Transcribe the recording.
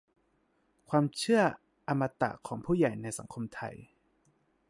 ความเชื่ออมตะของผู้ใหญ่ในสังคมไทย